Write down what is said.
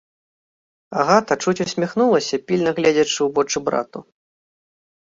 Агата чуць усміхнулася, пільна гледзячы ў вочы брату.